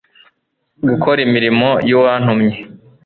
gukora imirimo y uwantumye